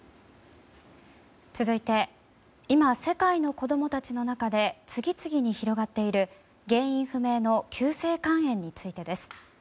続いて今、世界の子供たちの中で次々に広がっている原因不明の急性肝炎についてです。